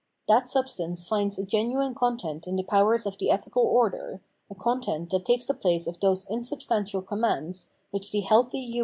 That substance finds a genuine content in the powers of the ethical order, a content that takes the place of those insubstantial commands which the healthy * Cp.